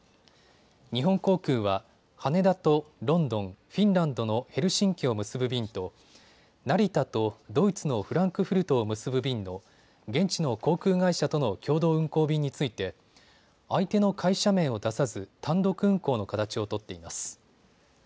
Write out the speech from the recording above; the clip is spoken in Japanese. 日本航空は羽田とロンドン、フィンランドのヘルシンキを結ぶ便と成田とドイツのフランクフルトを結ぶ便の現地の航空会社との共同運航便について相手の会社名を出さず単独運航の形を取っています。